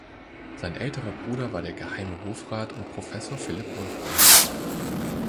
Sein älterer Bruder war der Geheime Hofrat und Professor Philipp Wolfrum.